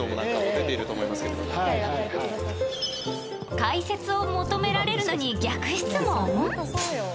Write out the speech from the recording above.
解説を求められるのに逆質問？